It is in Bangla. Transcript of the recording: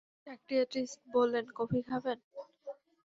সাইকিয়াট্রিস্ট বললেন, কফি খাবেন?